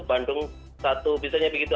bandung satu bisanya begitu